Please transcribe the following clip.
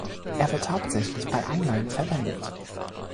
Er wird hauptsächlich bei Anleihen verwendet.